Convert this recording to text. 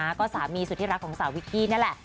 แล้วก็สามีสุดที่รักของสาววิกกี้นั่นแหละ